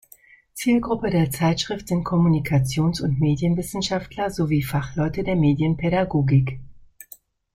Zielgruppe der Zeitschrift sind Kommunikations- und Medienwissenschaftler sowie Fachleute der Medienpädagogik.